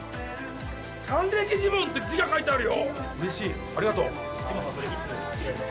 「還暦ジモン」って字が書いてあるよ。